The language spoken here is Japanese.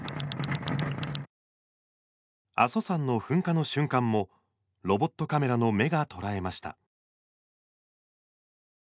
阿蘇山の噴火の瞬間もロボットカメラの目が捉えました。